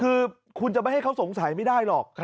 คือคุณจะไม่ให้เขาสงสัยไม่ได้หรอก